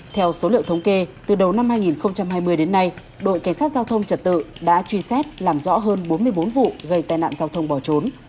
theo số liệu thống kê từ đầu năm hai nghìn hai mươi đến nay đội cảnh sát giao thông trật tự đã truy xét làm rõ hơn bốn mươi bốn vụ gây tai nạn giao thông bỏ trốn